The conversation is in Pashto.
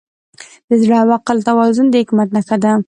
د زړه او عقل توازن د حکمت نښه ده.